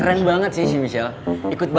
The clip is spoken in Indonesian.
sampai jumpa di video selanjutnya